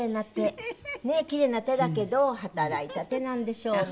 キレイな手だけど働いた手なんでしょうね。